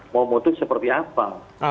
mau memutuskan seperti apa